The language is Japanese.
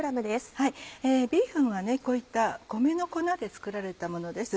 ビーフンはこういった米の粉で作られたものです。